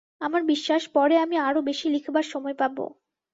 আমার বিশ্বাস, পরে আমি আরও বেশী লিখবার সময় পাব।